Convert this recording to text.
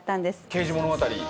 『刑事物語